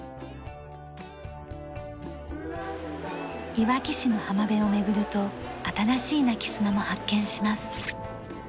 いわき市の浜辺を巡ると新しい鳴き砂も発見します。